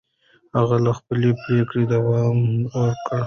هغه له خپلې پرېکړې دوام ورکړ.